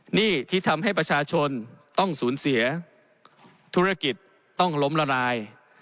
หนี้ที่ทำให้ประชาชนต้องสูญเสียธุรกิจต้องล้มละลาย